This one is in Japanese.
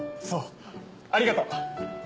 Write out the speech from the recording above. そうありがとう。